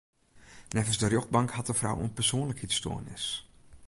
Neffens de rjochtbank hat de frou in persoanlikheidsstoarnis.